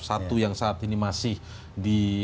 satu yang saat ini masih di